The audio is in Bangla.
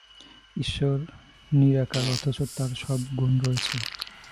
ঈশ্বর নিরাকার, অথচ তাঁর সব গুণ রয়েছে।